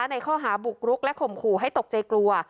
ในข้อหาบุกรุกและข่มขู่ให้ตกใจกลัว